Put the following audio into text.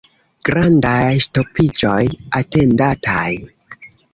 Grandaj ŝtopiĝoj atendataj.